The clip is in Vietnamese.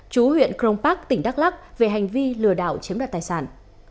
chú huyện crong park tỉnh đắk lắc về hành vi lừa đạo chiếm đoạt tài sản